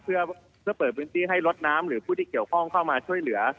เพื่อเปิดพื้นที่ให้รถน้ำหรือผู้ที่เกี่ยวข้องเข้ามาช่วยเหลือ